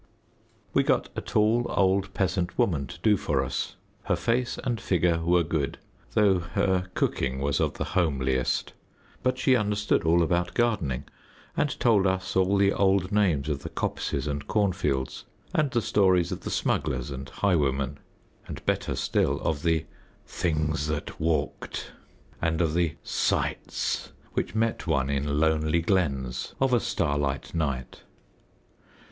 We got a tall old peasant woman to do for us. Her face and figure were good, though her cooking was of the homeliest; but she understood all about gardening, and told us all the old names of the coppices and cornfields, and the stories of the smugglers and highwaymen, and, better still, of the "things that walked," and of the "sights" which met one in lonely glens of a starlight night.